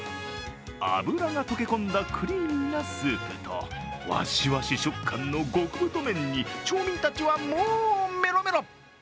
脂が溶け込んだクリーミーなスープとわしわし食感の極太麺に町民たちはもうメロメロ。